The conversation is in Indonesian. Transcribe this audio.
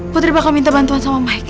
putri bakal minta bantuan sama micha